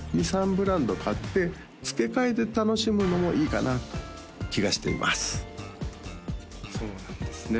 ブランド買って付け替えで楽しむのもいいかなと気がしていますそうなんですね